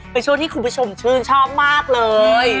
เป็นช่วงที่คุณผู้ชมชื่นชอบมากเลย